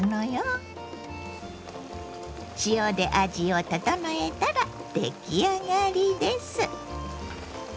塩で味を調えたら出来上がりです。